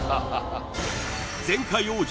前回王者